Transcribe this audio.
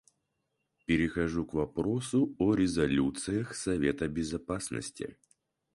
Перехожу к вопросу о резолюциях Совета Безопасности.